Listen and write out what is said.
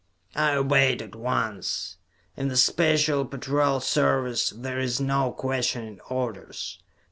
I obeyed at once. In the Special Patrol service, there is no questioning orders.